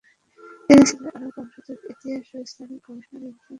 তিনি ছিলেন আরব বংশোদ্ভূত ইতিহাস ও ইসলামিক গবেষণার একজন আন্দালুসীয় বিদ্বান।